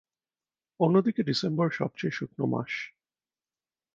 অন্যদিকে ডিসেম্বর সবচেয়ে শুকনো মাস।